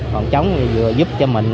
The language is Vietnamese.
phòng chống vừa giúp cho mình